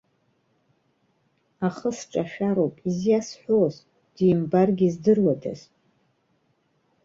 Ахы сҿашәароуп, изиасҳәоз, димбаргьы здыруадаз.